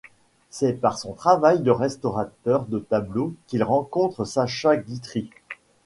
C'est par son travail de restaurateur de tableaux qu'il rencontre Sacha Guitry.